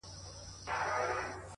o د بېوفا لفظونه راوړل،